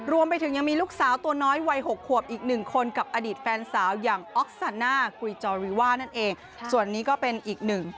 รวมไปถึงยังมีลูกสาวตัวน้อยวัยหกขวบอีกหนึ่งคนกับอดีตแฟนสาวอย่างออกซาน่ากุยจอริว่านั่นเองส่วนนี้ก็เป็นอีกหนึ่ง